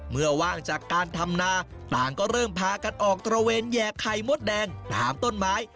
ว่างจากการทำนาต่างก็เริ่มพากันออกตระเวนแยกไข่มดแดงตามต้นไม้